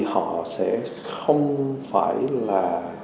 họ sẽ không phải là